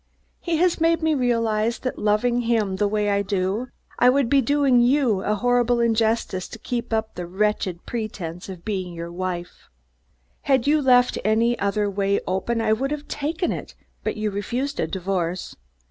He has made me realize that, loving him the way I do, I would be doing you a horrible injustice to keep up the wretched pretense of being your wife. "Had you left any other way open, I would have taken it, but you refused a divorce.